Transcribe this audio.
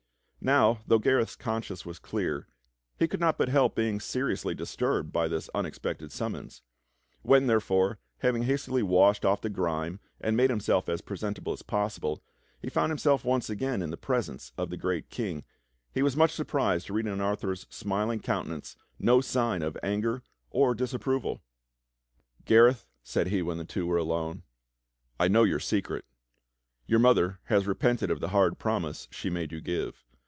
Now, though Gareth's conscience was clear, he could not help being seriously disturbed by this unexpected summons; when, there fore, having hastily washed off the grime and made himself as present able as possible, he found himself once again in the presence of the great King, he was much surprised to read in Arthur's smiling coun tenance no sign of anger or disapproval. "Gareth," said he when the two were alone. "I know your secret. Your mother has repented of the hard promise she made you give.